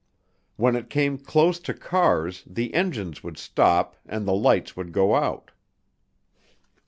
When it came close to cars the engines would stop and the lights would go out."